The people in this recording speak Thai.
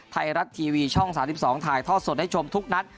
ไทยรัฐทีวีช่อง๓๒ถ่ายทอดสดได้ชมทุกนัด